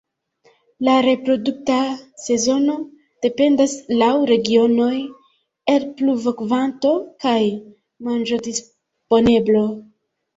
La reprodukta sezono dependas laŭ regionoj el pluvokvanto kaj manĝodisponeblo.